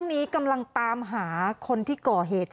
วันนี้กำลังตามหาคนที่ก่อเหตุ